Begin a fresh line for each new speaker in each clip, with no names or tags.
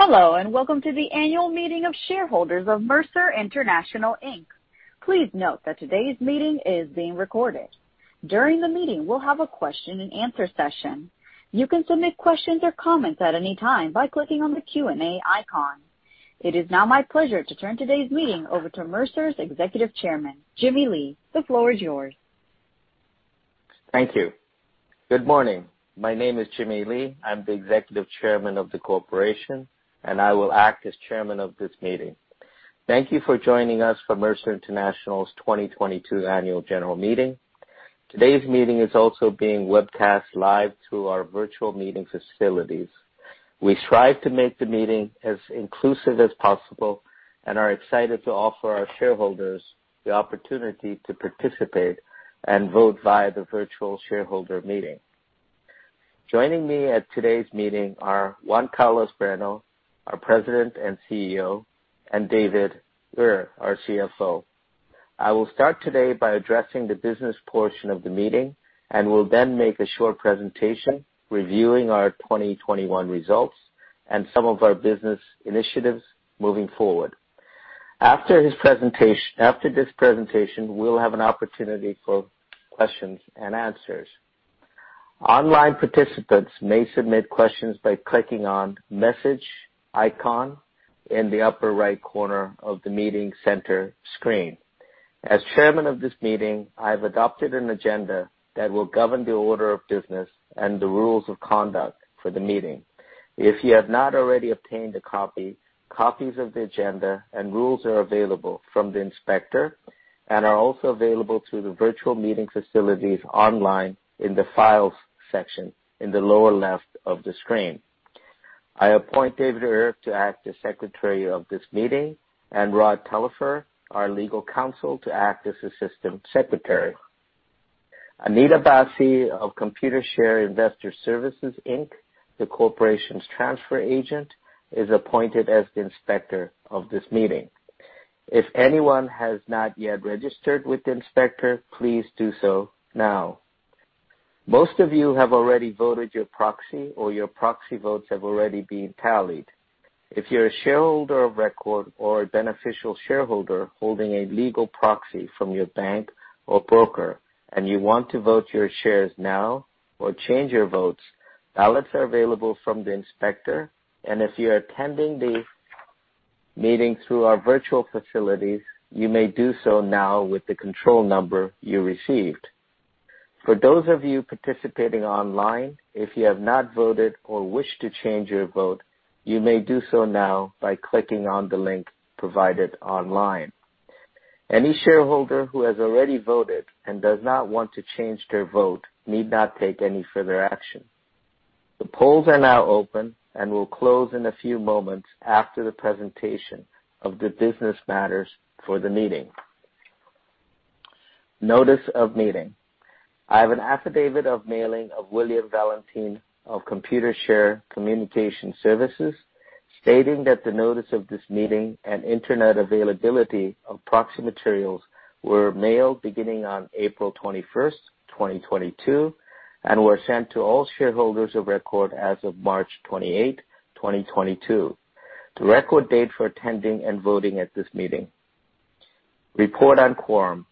Hello, and welcome to the annual meeting of shareholders of Mercer International Inc Please note that today's meeting is being recorded. During the meeting, we'll have a question-and-answer session. You can submit questions or comments at any time by clicking on the Q&A icon. It is now my pleasure to turn today's meeting over to Mercer's Executive Chairman, Jimmy Lee. The floor is yours.
Thank you. Good morning. My name is Jimmy Lee. I'm the Executive Chairman of the corporation, and I will act as Chairman of this meeting. Thank you for joining us for Mercer International's 2022 annual general meeting. Today's meeting is also being webcast live through our virtual meeting facilities. We strive to make the meeting as inclusive as possible and are excited to offer our shareholders the opportunity to participate and vote via the virtual shareholder meeting. Joining me at today's meeting are Juan Carlos Bueno, our President and CEO, and David Ure, our CFO. I will start today by addressing the business portion of the meeting and will then make a short presentation reviewing our 2021 results and some of our business initiatives moving forward. After this presentation, we'll have an opportunity for questions and answers. Online participants may submit questions by clicking on the message icon in the upper right corner of the meeting center screen. As Chairman of this meeting, I have adopted an agenda that will govern the order of business and the rules of conduct for the meeting. If you have not already obtained a copy, copies of the agenda and rules are available from the inspector and are also available through the virtual meeting facilities online in the Files section in the lower left of the screen. I appoint David Ure to act as Secretary of this meeting and Rod Telefer, our Legal Counsel, to act as Assistant Secretary. Anita Bassi of Computershare Investor Services Inc, the corporation's transfer agent, is appointed as the inspector of this meeting. If anyone has not yet registered with the inspector, please do so now. Most of you have already voted your proxy or your proxy votes have already been tallied. If you're a shareholder of record or a beneficial shareholder holding a legal proxy from your bank or broker and you want to vote your shares now or change your votes, ballots are available from the inspector. And if you're attending the meeting through our virtual facilities, you may do so now with the control number you received. For those of you participating online, if you have not voted or wish to change your vote, you may do so now by clicking on the link provided online. Any shareholder who has already voted and does not want to change their vote need not take any further action. The polls are now open and will close in a few moments after the presentation of the business matters for the meeting. Notice of Meeting: I have an affidavit of mailing of William Valentine of Computershare Communication Services stating that the notice of this meeting and internet availability of proxy materials were mailed beginning on April 21st, 2022, and were sent to all shareholders of record as of March 28, 2022, the record date for attending and voting at this meeting. Report on Quorum: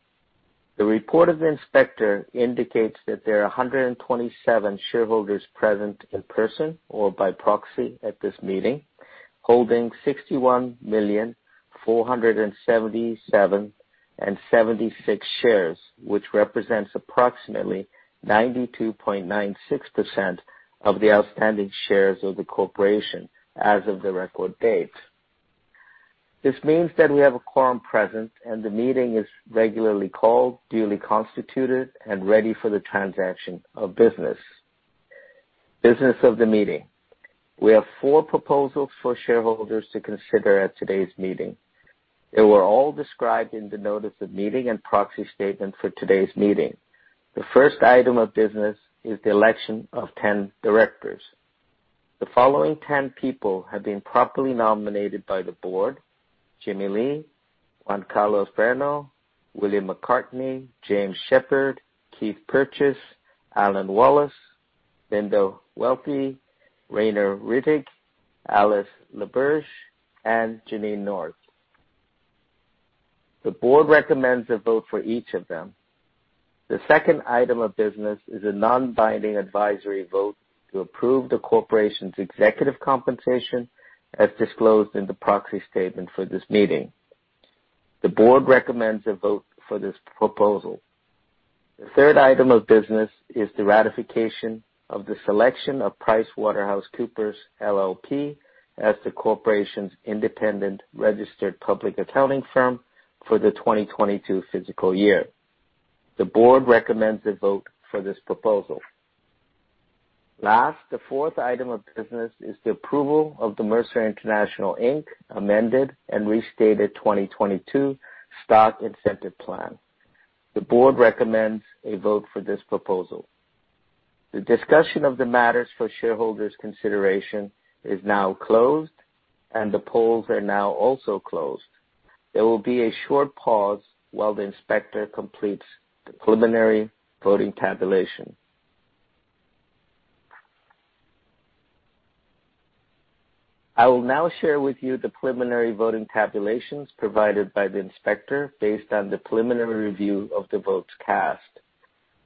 The report of the inspector indicates that there are 127 shareholders present in person or by proxy at this meeting holding 61,477,076 shares, which represents approximately 92.96% of the outstanding shares of the corporation as of the record date. This means that we have a quorum present and the meeting is regularly called, duly constituted, and ready for the transaction of business. Business of the Meeting: We have four proposals for shareholders to consider at today's meeting. They were all described in the notice of meeting and proxy statement for today's meeting. The first item of business is the election of 10 directors. The following 10 people have been properly nominated by the board: Jimmy Lee, Juan Carlos Bueno, William McCartney, James Shepherd, Keith Purchase, Alan Wallace, Linda Welty, Rainer Rettig, Alice Laberge, and Janine North. The board recommends a vote for each of them. The second item of business is a non-binding advisory vote to approve the corporation's executive compensation as disclosed in the proxy statement for this meeting. The board recommends a vote for this proposal. The third item of business is the ratification of the selection of PricewaterhouseCoopers LLP as the corporation's independent registered public accounting firm for the 2022 fiscal year. The board recommends a vote for this proposal. Last, the fourth item of business is the approval of the Mercer International Inc. Amended and Restated 2022 Stock Incentive Plan. The board recommends a vote for this proposal. The discussion of the matters for shareholders' consideration is now closed, and the polls are now also closed. There will be a short pause while the inspector completes the preliminary voting tabulation. I will now share with you the preliminary voting tabulations provided by the inspector based on the preliminary review of the votes cast.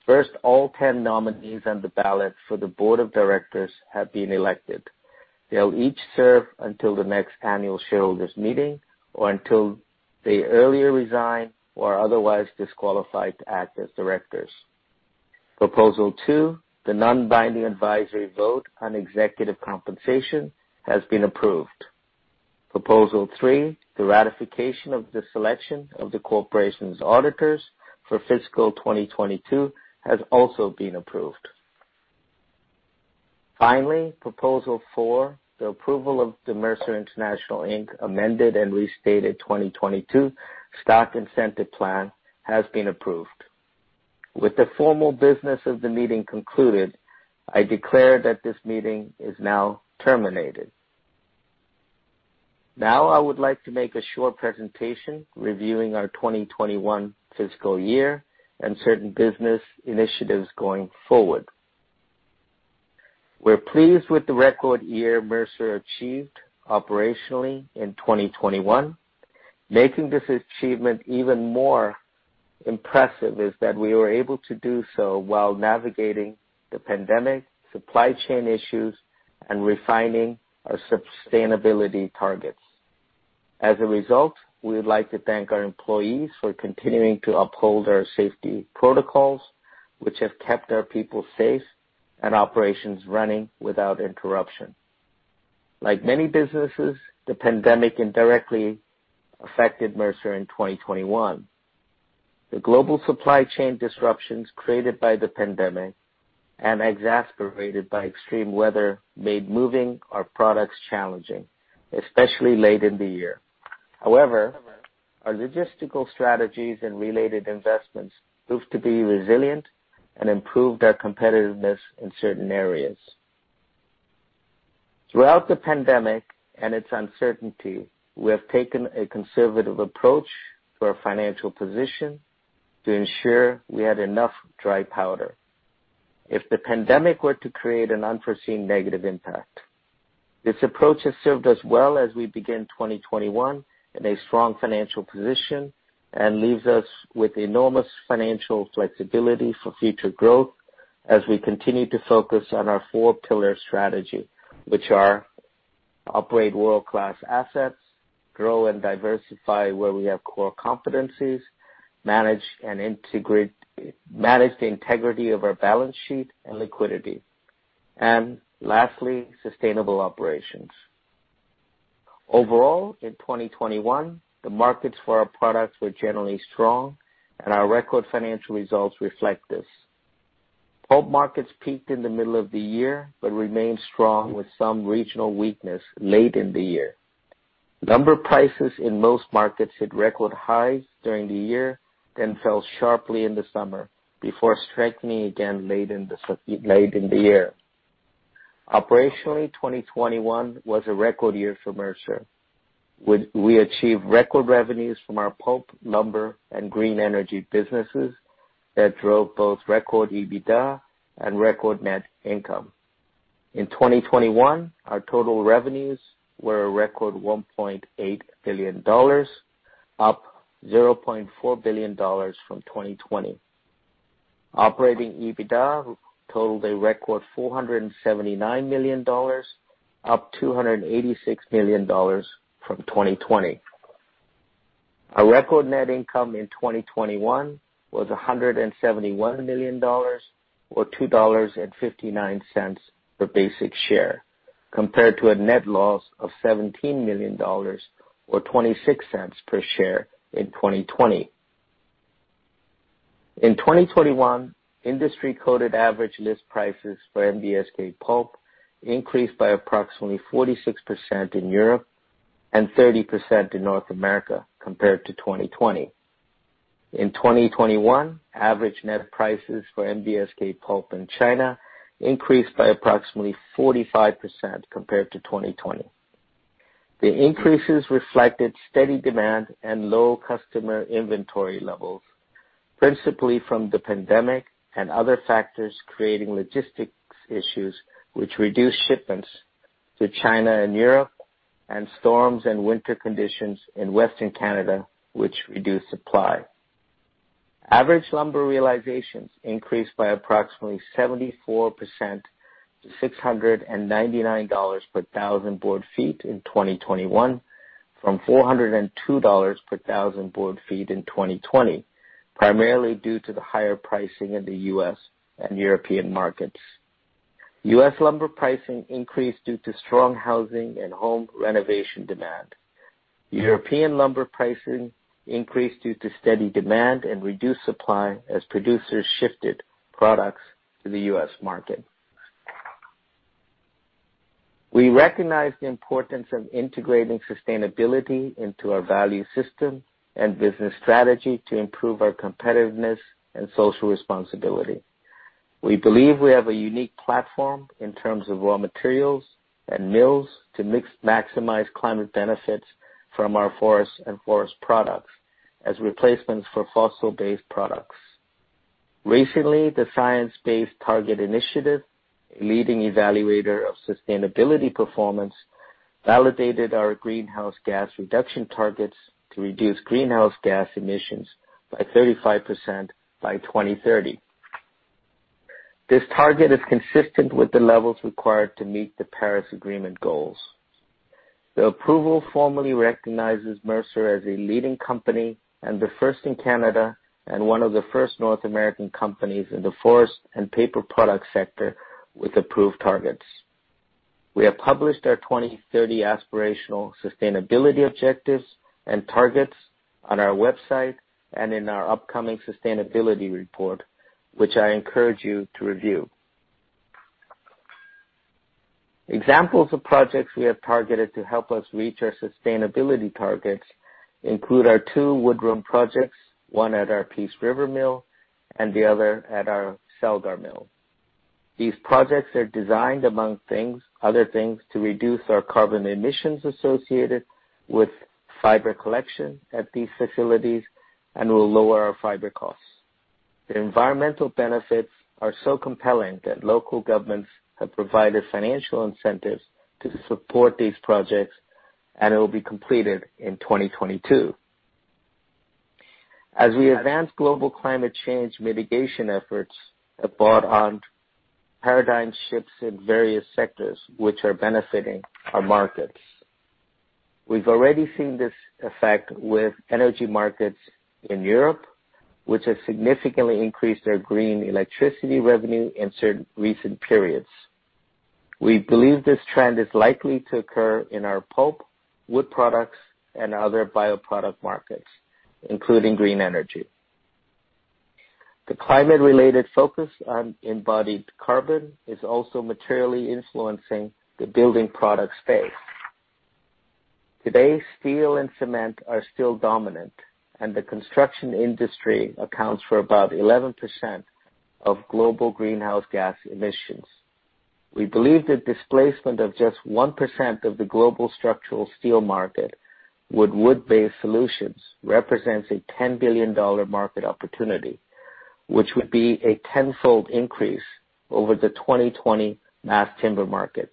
First, all 10 nominees on the ballot for the board of directors have been elected. They'll each serve until the next annual shareholders' meeting or until they earlier resign or are otherwise disqualified to act as directors. Proposal two: The non-binding advisory vote on executive compensation has been approved. Proposal three: The ratification of the selection of the corporation's auditors for fiscal 2022 has also been approved. Finally, proposal four: The approval of the Mercer International Inc.'s Amended and Restated 2022 Stock Incentive Plan has been approved. With the formal business of the meeting concluded, I declare that this meeting is now terminated. Now, I would like to make a short presentation reviewing our 2021 fiscal year and certain business initiatives going forward. We're pleased with the record year Mercer achieved operationally in 2021. Making this achievement even more impressive is that we were able to do so while navigating the pandemic, supply chain issues, and refining our sustainability targets. As a result, we would like to thank our employees for continuing to uphold our safety protocols, which have kept our people safe and operations running without interruption. Like many businesses, the pandemic indirectly affected Mercer in 2021. The global supply chain disruptions created by the pandemic and exacerbated by extreme weather made moving our products challenging, especially late in the year. However, our logistical strategies and related investments proved to be resilient and improved our competitiveness in certain areas. Throughout the pandemic and its uncertainty, we have taken a conservative approach to our financial position to ensure we had enough dry powder if the pandemic were to create an unforeseen negative impact. This approach has served us well as we begin 2021 in a strong financial position and leaves us with enormous financial flexibility for future growth as we continue to focus on our four-pillar strategy, which are: operate world-class assets, grow and diversify where we have core competencies, manage the integrity of our balance sheet and liquidity, and lastly, sustainable operations. Overall, in 2021, the markets for our products were generally strong, and our record financial results reflect this. Pulp markets peaked in the middle of the year but remained strong with some regional weakness late in the year. Lumber prices in most markets hit record highs during the year, then fell sharply in the summer before strengthening again late in the year. Operationally, 2021 was a record year for Mercer. We achieved record revenues from our pulp, lumber, and green energy businesses that drove both record EBITDA and record net income. In 2021, our total revenues were a record $1.8 billion, up $0.4 billion from 2020. Operating EBITDA totaled a record $479 million, up $286 million from 2020. Our record net income in 2021 was $171 million or $2.59 per basic share, compared to a net loss of $17 million or $0.26 per share in 2020. In 2021, industry-coded average list prices for NBSK pulp increased by approximately 46% in Europe and 30% in North America compared to 2020. In 2021, average net prices for NBSK pulp in China increased by approximately 45% compared to 2020. The increases reflected steady demand and low customer inventory levels, principally from the pandemic and other factors creating logistics issues, which reduced shipments to China and Europe, and storms and winter conditions in Western Canada, which reduced supply. Average lumber realizations increased by approximately 74% to $699 per 1,000 board feet in 2021 from $402 per 1,000 board feet in 2020, primarily due to the higher pricing in the U.S. and European markets. U.S. lumber pricing increased due to strong housing and home renovation demand. European lumber pricing increased due to steady demand and reduced supply as producers shifted products to the U.S. market. We recognize the importance of integrating sustainability into our value system and business strategy to improve our competitiveness and social responsibility. We believe we have a unique platform in terms of raw materials and mills to maximize climate benefits from our forest and forest products as replacements for fossil-based products. Recently, the Science Based Targets initiative, a leading evaluator of sustainability performance, validated our greenhouse gas reduction targets to reduce greenhouse gas emissions by 35% by 2030. This target is consistent with the levels required to meet the Paris Agreement goals. The approval formally recognizes Mercer as a leading company and the first in Canada and one of the first North American companies in the forest and paper product sector with approved targets. We have published our 2030 aspirational sustainability objectives and targets on our website and in our upcoming sustainability report, which I encourage you to review. Examples of projects we have targeted to help us reach our sustainability targets include our two wood-room projects, one at our Peace River Mill and the other at our Celgar Mill. These projects are designed, among other things, to reduce our carbon emissions associated with fiber collection at these facilities and will lower our fiber costs. The environmental benefits are so compelling that local governments have provided financial incentives to support these projects, and it will be completed in 2022. As we advance global climate change mitigation efforts, aboard on paradigm shifts in various sectors, which are benefiting our markets. We've already seen this effect with energy markets in Europe, which has significantly increased their green electricity revenue in recent periods. We believe this trend is likely to occur in our pulp, wood products, and other bioproduct markets, including green energy. The climate-related focus on embodied carbon is also materially influencing the building product space. Today, steel and cement are still dominant, and the construction industry accounts for about 11% of global greenhouse gas emissions. We believe that displacement of just 1% of the global structural steel market with wood-based solutions represents a $10 billion market opportunity, which would be a tenfold increase over the 2020 mass timber market.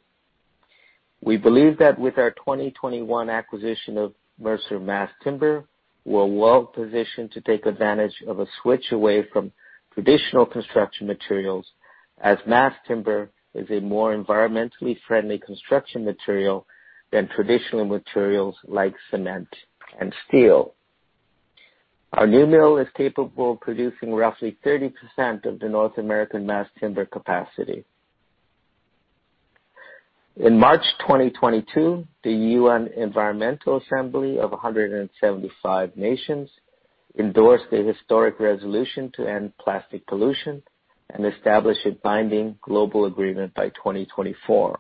We believe that with our 2021 acquisition of Mercer Mass Timber, we're well positioned to take advantage of a switch away from traditional construction materials, as mass timber is a more environmentally friendly construction material than traditional materials like cement and steel. Our new mill is capable of producing roughly 30% of the North American mass timber capacity. In March 2022, the United Nations Environment Assembly of 175 nations endorsed a historic resolution to end plastic pollution and establish a binding global agreement by 2024.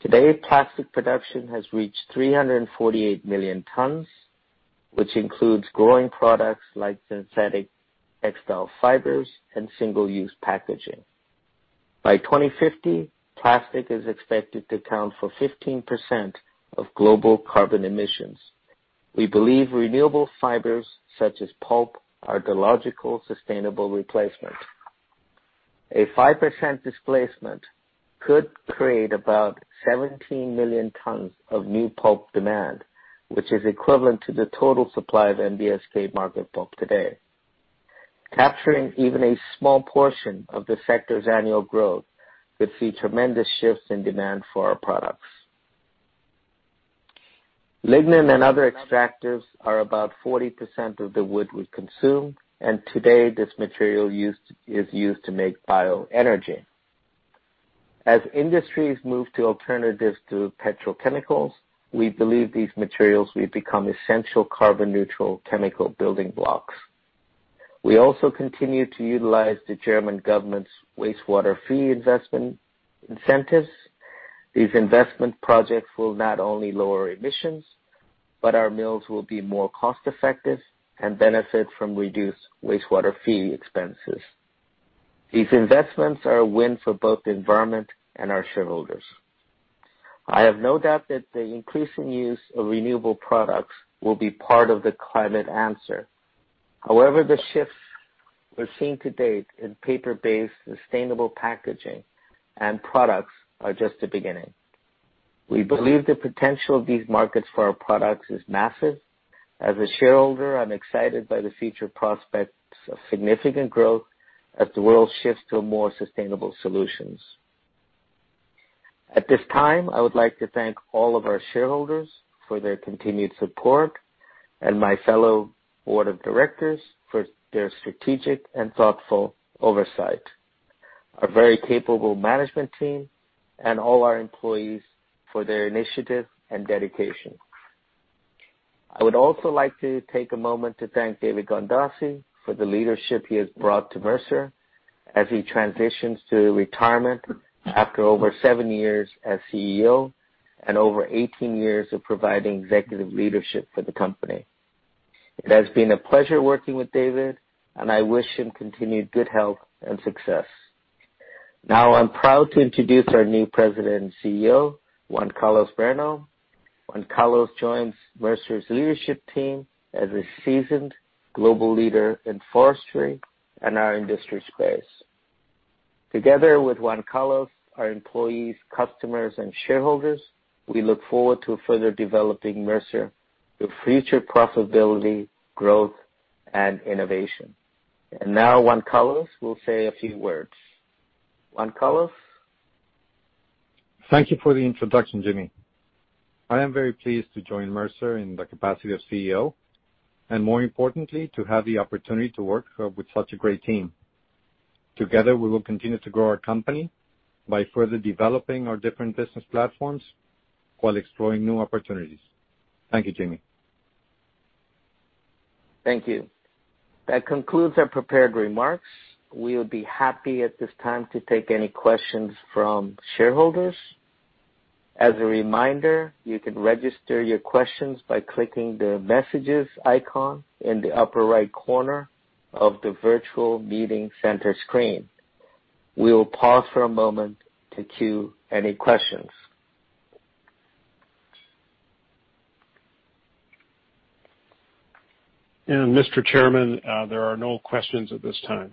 Today, plastic production has reached 348 million tons, which includes growing products like synthetic textile fibers and single-use packaging. By 2050, plastic is expected to account for 15% of global carbon emissions. We believe renewable fibers such as pulp are a logical sustainable replacement. A 5% displacement could create about 17 million tons of new pulp demand, which is equivalent to the total supply of MVSK market pulp today. Capturing even a small portion of the sector's annual growth could see tremendous shifts in demand for our products. Lignin and other extractives are about 40% of the wood we consume, and today, this material is used to make bioenergy. As industries move to alternatives to petrochemicals, we believe these materials will become essential carbon-neutral chemical building blocks. We also continue to utilize the German government's wastewater fee incentives. These investment projects will not only lower emissions, but our mills will be more cost-effective and benefit from reduced wastewater fee expenses. These investments are a win for both the environment and our shareholders. I have no doubt that the increasing use of renewable products will be part of the climate answer. However, the shifts we're seeing to date in paper-based sustainable packaging and products are just the beginning. We believe the potential of these markets for our products is massive. As a shareholder, I'm excited by the future prospects of significant growth as the world shifts to more sustainable solutions. At this time, I would like to thank all of our shareholders for their continued support and my fellow board of directors for their strategic and thoughtful oversight, our very capable management team, and all our employees for their initiative and dedication. I would also like to take a moment to thank David Gandossi for the leadership he has brought to Mercer as he transitions to retirement after over seven years as CEO and over 18 years of providing executive leadership for the company. It has been a pleasure working with David, and I wish him continued good health and success. Now, I'm proud to introduce our new president and CEO, Juan Carlos Bueno. Juan Carlos joins Mercer's leadership team as a seasoned global leader in forestry and our industry space. Together with Juan Carlos, our employees, customers, and shareholders, we look forward to further developing Mercer for future profitability, growth, and innovation. And now, Juan Carlos will say a few words. Juan Carlos.
Thank you for the introduction, Jimmy. I am very pleased to join Mercer in the capacity of CEO and, more importantly, to have the opportunity to work with such a great team. Together, we will continue to grow our company by further developing our different business platforms while exploring new opportunities. Thank you, Jimmy. Thank you. That concludes our prepared remarks. We would be happy at this time to take any questions from shareholders. As a reminder, you can register your questions by clicking the messages icon in the upper right corner of the virtual meeting center screen. We will pause for a moment to queue any questions.
Mr. Chairman, there are no questions at this time.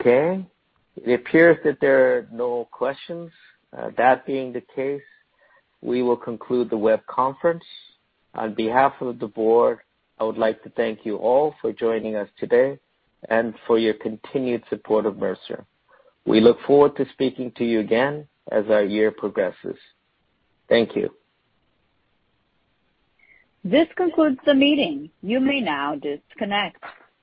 Okay. It appears that there are no questions. That being the case, we will conclude the web conference. On behalf of the board, I would like to thank you all for joining us today and for your continued support of Mercer. We look forward to speaking to you again as our year progresses. Thank you.
This concludes the meeting. You may now disconnect.